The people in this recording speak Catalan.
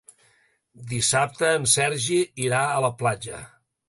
Dissabte en Sergi irà a la platja.